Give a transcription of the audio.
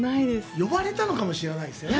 呼ばれたのかもしれないですよね。